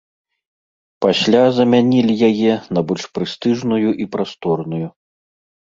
Пасля замянілі яе на больш прэстыжную і прасторную.